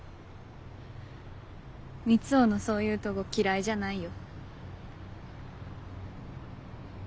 三生のそういうとご嫌いじゃないよ。